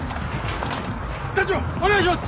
団長お願いします！